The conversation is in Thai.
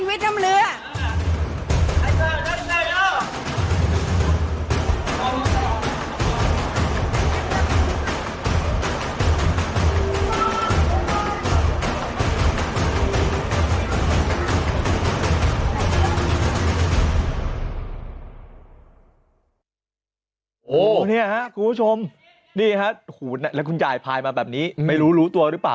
นี้คุณผู้ชมแล้วคุณจ่ายพายมาแบบนี้ไม่รู้รู้ตัวหรือเปล่า